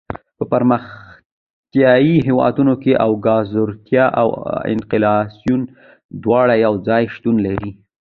په پرمختیایي هېوادونو کې اوزګارتیا او انفلاسیون دواړه یو ځای شتون لري.